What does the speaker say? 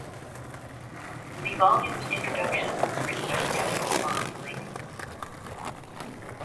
The volume's introduction was written by Samuel R. Delany.